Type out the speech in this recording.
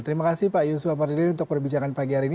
terima kasih pak yusuf mardirin untuk perbincangan pagi hari ini